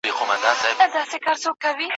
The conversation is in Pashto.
د وصال سراب ته ګورم، پر هجران غزل لیکمه